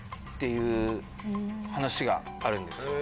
いう話があるんですよ。